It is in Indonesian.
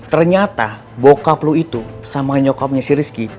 ternyata bokap lo itu sama nyokapnya si rizky